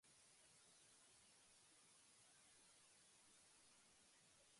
という保守的な考えから、私を下総国（千葉県）の佐原にあった